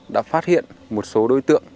đã phát hiện một số đối tượng